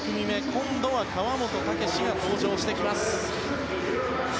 今度は川本武史が登場してきます。